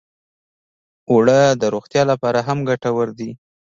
اوړه د روغتیا لپاره هم ګټور دي